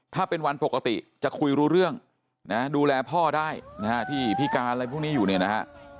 ถ้าเป็นวันปกติจะคุยรู้เรื่องนะดูแลพ่อได้นะฮะที่พิการอะไรพวกนี้อยู่เนี่ยนะฮะ